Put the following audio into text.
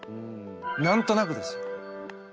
なんとなくですよ。